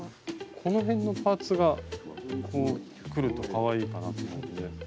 この辺のパーツがこうくるとかわいいかなと思うんで。